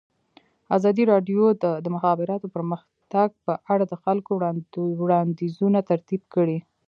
ازادي راډیو د د مخابراتو پرمختګ په اړه د خلکو وړاندیزونه ترتیب کړي.